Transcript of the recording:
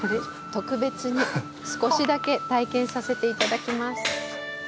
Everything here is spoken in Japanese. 特別に少しだけ体験させていただきます。